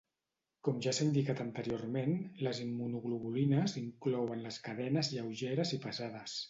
Com ja s'ha indicat anteriorment, les immunoglobulines inclouen les cadenes lleugeres i pesades.